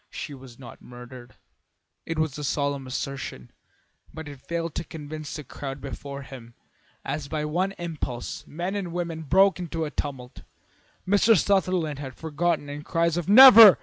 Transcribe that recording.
She was not murdered." It was a solemn assertion, but it failed to convince the crowd before him. As by one impulse men and women broke into a tumult. Mr. Sutherland was forgotten and cries of "Never!